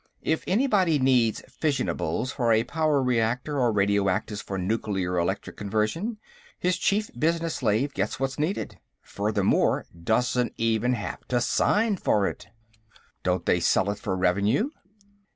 "If anybody needs fissionables for a power reactor or radioactives for nuclear electric conversion, his chief business slave gets what's needed. Furthermore, doesn't even have to sign for it." "Don't they sell it for revenue?"